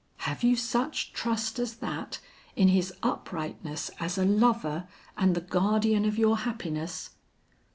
"Have you such trust as that in his uprightness as a lover, and the guardian of your happiness?"